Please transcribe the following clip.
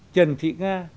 trần thị nga